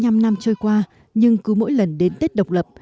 bảy mươi năm năm trôi qua nhưng cứ mỗi lần đến tết độc lập